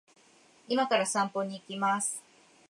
今から散歩に行きます